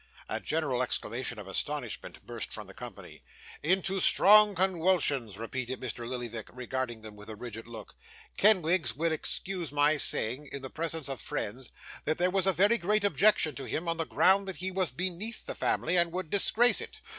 A general exclamation of astonishment burst from the company. 'Into strong conwulsions,' repeated Mr. Lillyvick, regarding them with a rigid look. 'Kenwigs will excuse my saying, in the presence of friends, that there was a very great objection to him, on the ground that he was beneath the family, and would disgrace it.